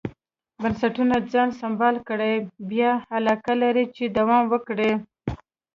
بنسټونه ځان سمبال کړي بیا علاقه لري چې دوام ورکړي.